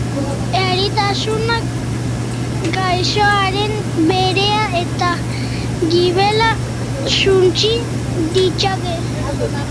Eritasunak gaixoaren barea eta gibela suntsi ditzake.